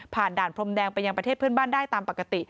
ด่านพรมแดงไปยังประเทศเพื่อนบ้านได้ตามปกติ